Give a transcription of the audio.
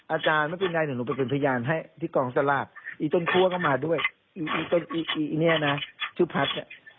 อาจารย์ไม่เป็นไรหนูเป็นพยานให้ที่กองสลาดอีต้นคั่วก็มาด้วยอีต้นอีเนี่ยนะชุดพัก